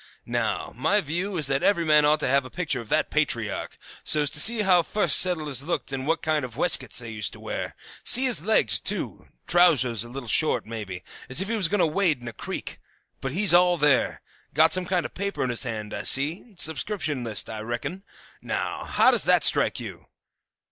Now, my view is that every man ought to have a picture of that patriarch, so's to see how the fust settlers looked and what kind of weskets they used to wear. See his legs, too! Trousers a little short, maybe, as if he was going to wade in a creek; but he's all there. Got some kind of a paper in his hand, I see. Subscription list, I reckon. Now, how does that strike you?